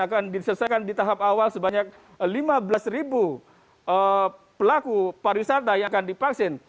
akan diselesaikan di tahap awal sebanyak lima belas ribu pelaku pariwisata yang akan divaksin